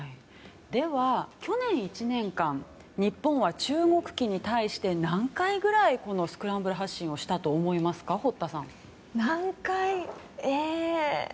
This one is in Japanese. では、去年１年間日本は中国機に対して何回くらいスクランブル発進をしたと思いますか、堀田さん。